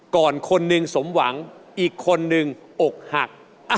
ก่อนคนนึงสมหวังอีกคนนึงอกหัก